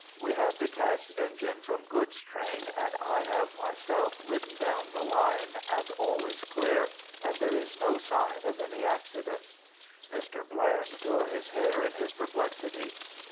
We have detached engine from goods train, and I have myself ridden down the line, but all is clear, and there is no sign of any accident." Mr. Bland tore his hair in his perplexity.